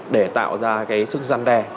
để tạo ra cái sức giăn đe